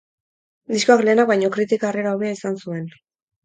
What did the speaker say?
Diskoak lehenak baino kritika harrera hobea izan zuen.